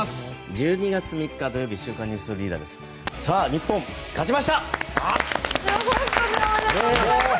１２月３日、土曜日「週刊ニュースリーダー」です。